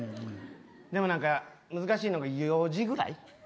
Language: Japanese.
でも何か、難しいのが４時ぐらい。